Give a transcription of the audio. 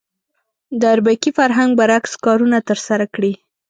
د اربکي فرهنګ برعکس کارونه ترسره کړي.